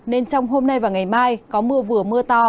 nên trong hôm nay và ngày mai có mưa vừa mưa to